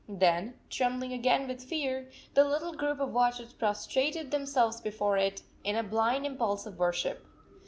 Then, trembling again with fear, the little group of watchers prostrated themselves before it in a blind impulse of worship.